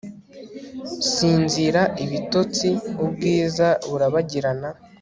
sinzira, ibitotsi, ubwiza burabagirana